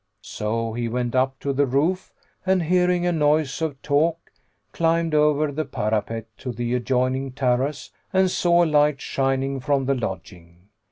So he went up to the roof and hearing a noise of talk, climbed over the parapet to the adjoining terrace and saw a light shining from the lodging.